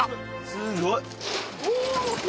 すごい。